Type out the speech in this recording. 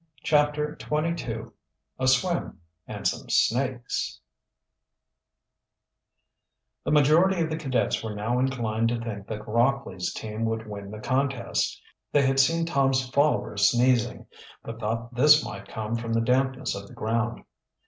CHAPTER XXII A SWIM AND SOME SNAKES The majority of the cadets were now inclined to think that Rockley's team would win the contest. They had seen Tom's followers sneezing, but thought this might come from the dampness of the ground.